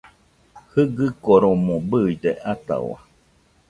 Jɨgɨkoromo bɨide atahau